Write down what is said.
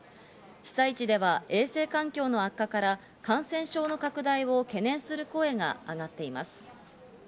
被災地では衛生環境の悪化から感染症の拡大を懸念する声が上がっています。